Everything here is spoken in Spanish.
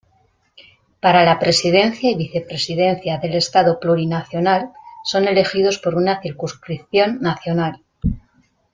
Para la Presidencia y Vicepresidencia del Estado Plurinacional son elegidos por una circunscripción nacional.